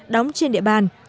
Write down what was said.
đóng trên địa bàn